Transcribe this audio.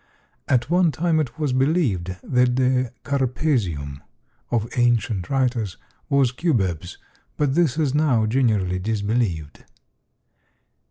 At one time it was believed that the Carpesium of ancient writers was cubebs, but this is now generally disbelieved.